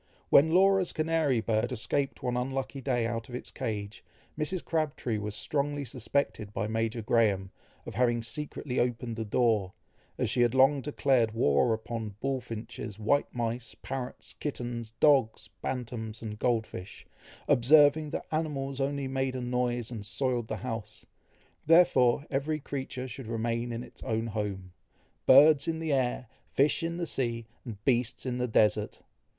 When Laura's canary bird escaped one unlucky day out of its cage, Mrs. Crabtree was strongly suspected by Major Graham, of having secretly opened the door, as she had long declared war upon bulfinches, white mice, parrots, kittens, dogs, bantams, and gold fish, observing that animals only made a noise and soiled the house, therefore every creature should remain in its own home, "birds in the air, fish in the sea, and beasts in the desert."